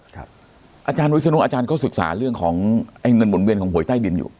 ครับอาจารย์วิทยาลงอาจารย์เขาศึกษาเรื่องของไอ้เงินหมุนเวียนของหวยใต้ดินอยู่